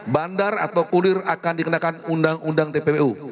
bandar atau kulir akan dikenakan undang undang tppu